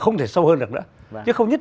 không thể sâu hơn được nữa chứ không nhất